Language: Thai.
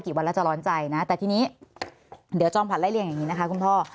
วันแล้วจะร้อนใจนะแต่ทีนี้เดี๋ยวจอมขวัญไล่เรียงอย่างนี้นะคะคุณพ่อ